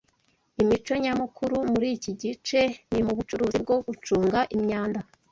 imico nyamukuru muriki gice ni mubucuruzi bwo gucunga imyanda